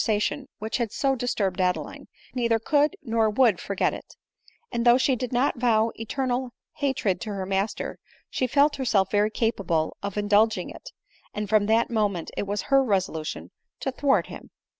sation which had so disturbed Adeline, neither could nor would forget it ; and though she did not vow eternal ha tred to her master, she felt herself very capable of uw dulging it, and from that moment it was her resolution to» thwart him.